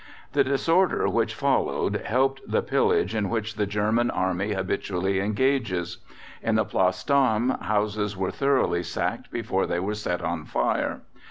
The disorder which followed helped the pillage in which the German Army habitually engages. In the Place d'Armes houses were thoroughly sacked before they were set on fire.